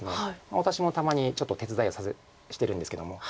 私もたまにちょっと手伝いをしてるんですけども。